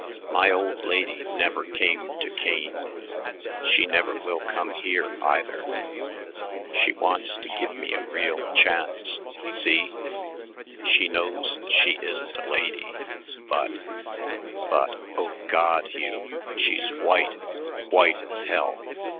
"My old lady never came to Kane. She never will come here, either. She wants to give me a real chance. See? She knows she isn't a lady but but, oh, God, Hugh, she's white, white as hell.